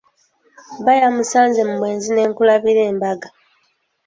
Bba yamusanze mu bwenzi ne nkulabira embaga.